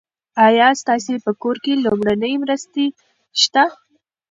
ایا ستاسي په کور کې لومړنۍ مرستې شته؟